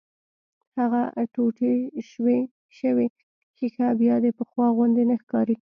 هغه ټوټې شوې ښيښه بيا د پخوا غوندې نه ښکاري.